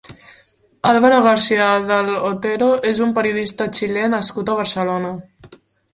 Álvaro García del Otero és un periodista xilè nascut a Barcelona.